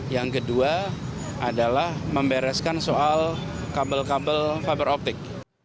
yang kedua adalah membereskan soal kabel kabel fiber optik